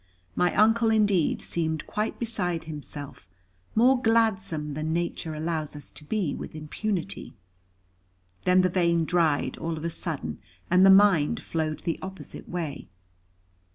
My Uncle indeed seemed quite beside himself, more gladsome than nature allows us to be with impunity. Then the vein dried all of a sudden, and the mind flowed the opposite way.